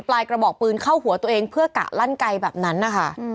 กระบอกปืนเข้าหัวตัวเองเพื่อกะลั่นไกลแบบนั้นนะคะ